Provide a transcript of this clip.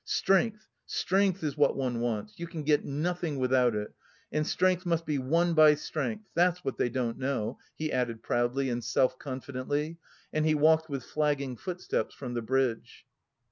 Strength, strength is what one wants, you can get nothing without it, and strength must be won by strength that's what they don't know," he added proudly and self confidently and he walked with flagging footsteps from the bridge.